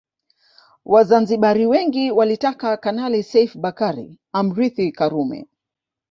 Wazanzibari wengi walitaka Kanali Seif Bakari amrithi Karume